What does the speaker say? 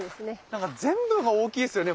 なんか全部が大きいですよね。